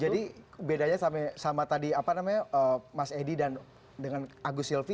jadi bedanya sama tadi mas edi dan agus silvi